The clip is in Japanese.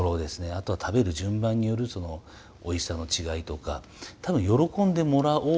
あとは食べる順番によるそのおいしさの違いとか多分喜んでもらおうだと思うんですね